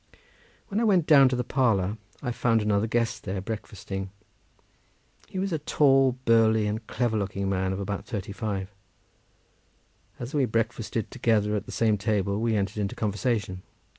When I went down to the parlour I found another guest there, breakfasting. He was a tall, burly, and clever looking man of about thirty five. As we breakfasted together at the same table, we entered into conversation.